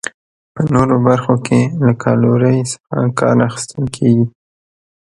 په نورو برخو کې له کالورۍ څخه کار اخیستل کیږي.